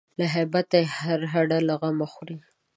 له هیبته یې هر هډ له غمه خوري